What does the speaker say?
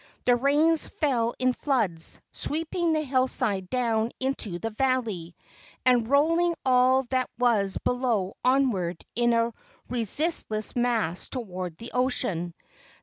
The rain fell in floods, sweeping the hillside down into the valley, and rolling all that was below onward in a resistless mass toward the ocean.